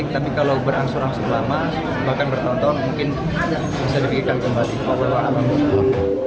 tapi kalau berlangsung langsung lama bahkan bertahun tahun mungkin bisa dikikam kembali